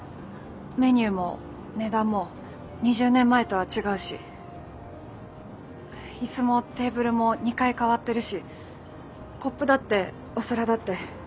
メニューも値段も２０年前とは違うし椅子もテーブルも２回変わってるしコップだってお皿だって。